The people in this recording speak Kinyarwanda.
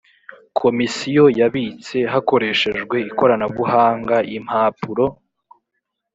Komisiyo yabitse hakoreshejwe ikoranabuhanga impapuro